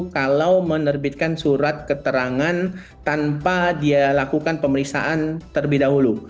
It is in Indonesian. kalau menerbitkan surat keterangan tanpa dia lakukan pemeriksaan terlebih dahulu